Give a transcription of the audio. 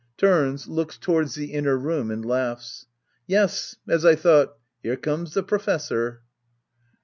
[Turns, looks towards the inner room, and laughs,] Yes, as I thought ! Here comes the Professor.